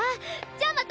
じゃあまた！